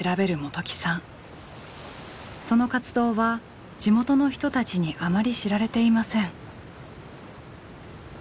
その活動は地元の人たちにあまり知られていません。